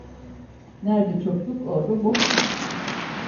Nerde çokluk, orda bokluk.